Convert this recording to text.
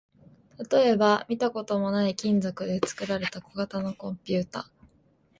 例えば、見たこともない金属で作られた小型のコンピュータ